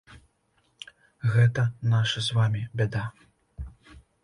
Гэта наша з вамі бяда.